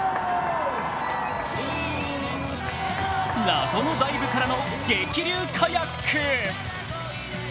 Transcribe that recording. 謎のダイブからの激流カヤック。